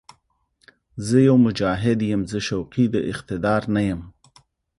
زه يو «مجاهد» یم، زه شوقي د اقتدار نه یم